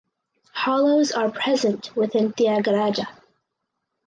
Hollows are present within Tyagaraja.